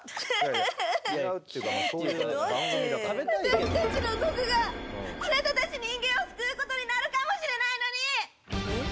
私たちの毒があなたたち人間を救うことになるかもしれないのに！